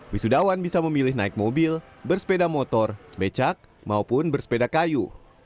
wisudawan bisa memilih naik mobil bersepeda motor becak maupun bersepeda kayu